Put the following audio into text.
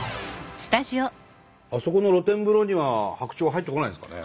あそこの露天風呂には白鳥は入ってこないんですかね？